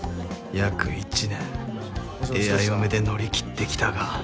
約１年エア嫁で乗り切ってきたが。